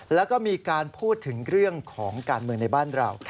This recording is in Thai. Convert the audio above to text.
แล้วก็มีการพูดถึงเรื่องของการเมืองในบ้านเรา